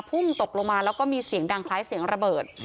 พุ่งตกลงมาแล้วก็มีเสียงดังคล้ายเสียงระเบิด